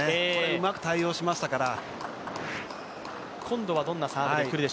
うまく対応しましたから。